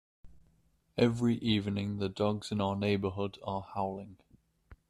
Every evening, the dogs in our neighbourhood are howling.